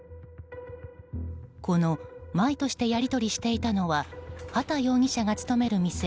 このマイとしてやり取りしていたのは畠容疑者が勤める店